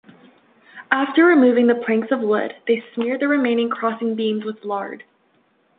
After removing the planks of wood, they smeared the remaining crossing beams with lard.